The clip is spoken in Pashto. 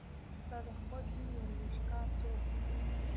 ستا د خوښې ورزشکار څوک دی؟